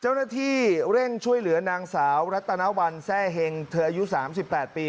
เจ้าหน้าที่เร่งช่วยเหลือนางสาวรัตนวัลแซ่เฮงเธออายุ๓๘ปี